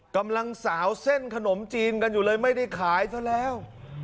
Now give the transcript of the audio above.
กำลังสาวเส้นขนมจีนกันอยู่เลยไม่ได้ขายซะแล้ว